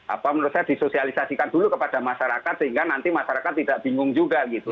apa menurut saya disosialisasikan dulu kepada masyarakat sehingga nanti masyarakat tidak bingung juga gitu